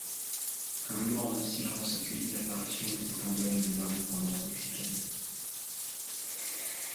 Un morne silence accueillit l’apparition de cet emblème de l’indépendance mexicaine.